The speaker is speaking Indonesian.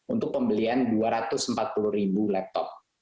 untuk pembelian dua ratus empat puluh ribu laptop